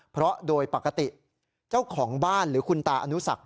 เพราะโดยปกติเจ้าของบ้านหรือคุณตาอนุสัก